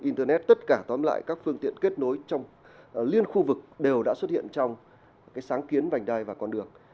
internet tất cả tóm lại các phương tiện kết nối trong liên khu vực đều đã xuất hiện trong sáng kiến vành đai và con đường